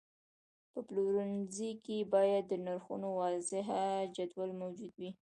په پلورنځي کې باید د نرخونو واضحه جدول موجود وي.